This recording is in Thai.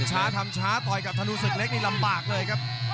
ช้าทำช้าต่อยกับธนูศึกเล็กนี่ลำบากเลยครับ